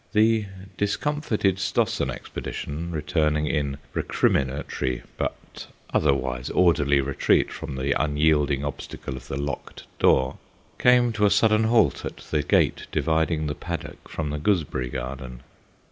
The discomfited Stossen expedition, returning in recriminatory but otherwise orderly retreat from the unyielding obstacle of the locked door, came to a sudden halt at the gate dividing the paddock from the gooseberry garden.